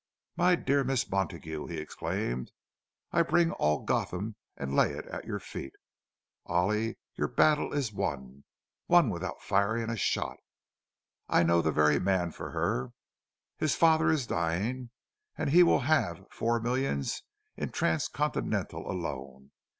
"My dear Miss Montague," he exclaimed, "I bring all Gotham and lay it at your feet! Ollie, your battle is won! Won without firing a shot! I know the very man for her—his father is dying, and he will have four millions in Transcontinental alone.